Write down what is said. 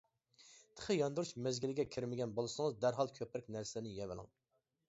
تېخى ياندۇرۇش مەزگىلىگە كىرمىگەن بولسىڭىز دەرھال كۆپرەك نەرسىلەرنى يەۋېلىڭ.